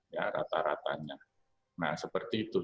ya rata ratanya nah seperti itu